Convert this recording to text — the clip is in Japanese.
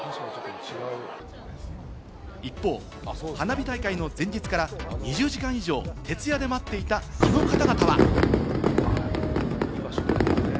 一方、花火大会の前日から２０時間以上、徹夜で待っていたこの方々は。